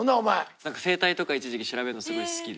何か生態とか一時期調べるのすごい好きで。